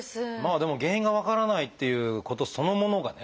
でも原因が分からないっていうことそのものがね